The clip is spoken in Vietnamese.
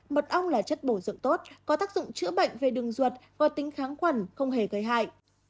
mật ong là chất bổ dưỡng tốt có tác dụng chữa bệnh về đường ruột có tính kháng khuẩn không hề gây hại